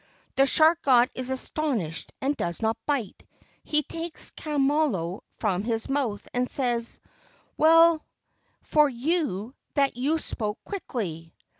The shark god is astonished and does not bite. He takes Kamalo from his mouth and says: "Well for you that you spoke quickly.